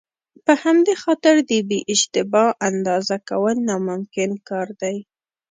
په همدې خاطر د بې اشتباه اندازه کول ناممکن کار دی.